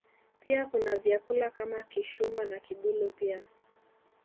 Pia kuna vyakula kama Kishumba na Kibulu pia